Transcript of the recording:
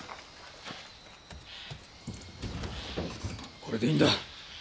これでいいんだ。